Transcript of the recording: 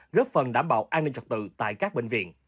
góp phần đảm bảo an ninh trật tự tại các bệnh viện